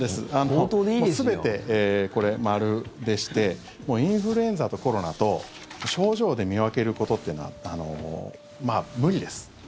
本当に全て、○でしてインフルエンザとコロナと症状で見分けることってのはまあ、無理です。